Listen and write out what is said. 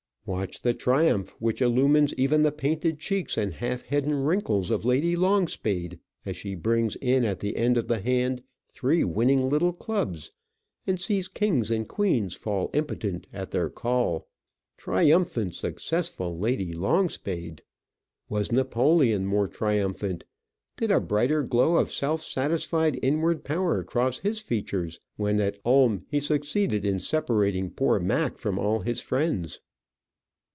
Watch the triumph which illumines even the painted cheeks and half hidden wrinkles of Lady Longspade as she brings in at the end of the hand three winning little clubs, and sees kings and queens fall impotent at their call. Triumphant, successful Lady Longspade! Was Napoleon more triumphant, did a brighter glow of self satisfied inward power cross his features, when at Ulm he succeeded in separating poor Mack from all his friends?